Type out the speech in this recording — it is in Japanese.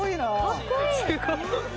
かっこいい。